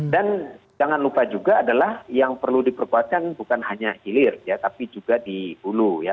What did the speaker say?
dan jangan lupa juga adalah yang perlu diperkuatkan bukan hanya hilir ya tapi juga di hulu ya